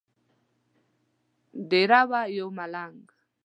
دیره وو یو ملنګ.